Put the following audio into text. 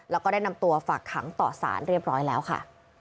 แล้วก็ได้นำตัวฝากขังต่อสารเรียบร้อยแล้วค่ะ